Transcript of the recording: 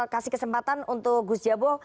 kasih kesempatan untuk gus jabo